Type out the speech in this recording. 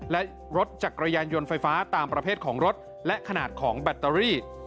และรถจักรยานยนต์ไฟฟ้าตามประเภทของรถและขนาดของแบตเตอรี่